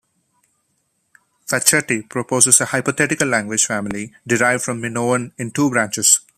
Facchetti proposes a hypothetical language family derived from Minoan in two branches.